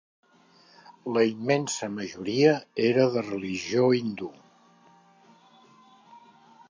La immensa majoria era de religió hindú.